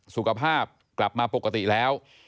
สุขภาพกลับมาปกติแล้ว